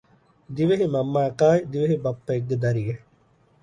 ދިވެހި މަންމައަކާއި ދިވެހި ބައްޕައެއްގެ ދަރިއެއް